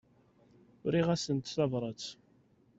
Uriɣ-asent tabrat.